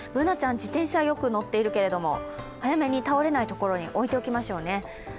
Ｂｏｏｎａちゃん、自転車よく乗っているけれども、早めに倒れないところに置いておきましょうね。